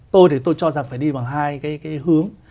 tôi thì tôi cho rằng phải đi vào hai cái hướng